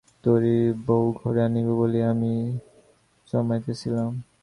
তোরই বউ ঘরে আনিব বলিয়া আমি এ জমাইতেছিলাম।